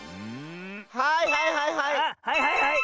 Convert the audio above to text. はいはいはいはい！